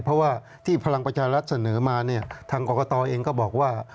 เพราะว่าที่พลังประชารัฐเสนอมาเนี่ยทางกรกตเองก็บอกว่า